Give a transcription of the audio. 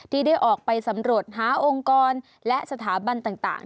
ที่ได้ออกไปสำรวจหาองค์กรและสถาบันต่าง